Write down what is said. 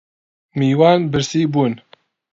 میوان برسی بوون